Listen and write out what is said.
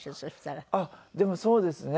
でもそうですね。